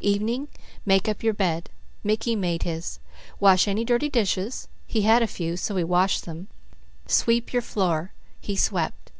Evening: "Make up your bed." Mickey made his. "Wash any dirty dishes." He had a few so he washed them. "Sweep your floor." He swept.